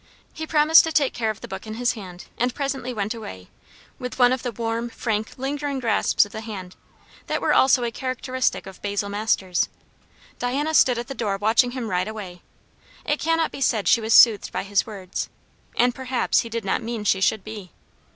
He promised to take care of the book in his hand, and presently went away, with one of the warm, frank, lingering grasps of the hand, that were also a characteristic of Basil Masters. Diana stood at the door watching him ride away. It cannot be said she was soothed by his words, and perhaps he did not mean she should be.